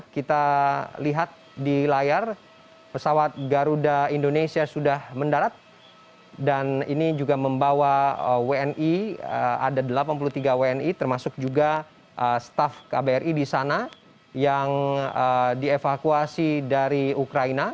kita lihat di layar pesawat garuda indonesia sudah mendarat dan ini juga membawa wni ada delapan puluh tiga wni termasuk juga staff kbri di sana yang dievakuasi dari ukraina